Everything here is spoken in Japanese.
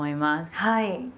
はい。